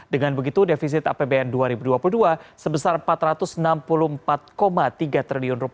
dengan begitu defisit apbn dua ribu dua puluh dua sebesar rp empat ratus enam puluh empat tiga triliun